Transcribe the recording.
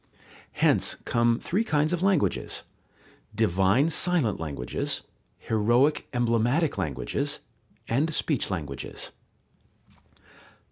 Hence come three kinds of languages: divine silent languages, heroic emblematic languages, and speech languages.